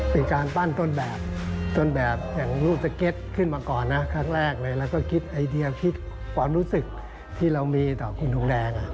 เป็นการปั้นต้นแบบต้นแบบแห่งรูปสเก็ตขึ้นมาก่อนนะครั้งแรกเลยแล้วก็คิดไอเดียคิดความรู้สึกที่เรามีต่อคุณทงแดง